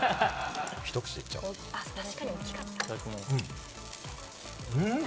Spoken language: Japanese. ひと口で行っちゃおう。